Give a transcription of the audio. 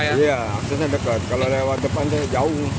iya aksesnya dekat kalau lewat depan jauh